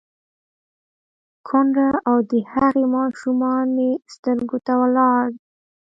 _کونډه او د هغې ماشومان مې سترګو ته ولاړ دي.